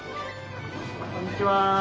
こんにちは。